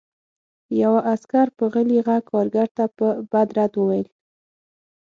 یوه عسکر په غلي غږ کارګر ته بد رد وویل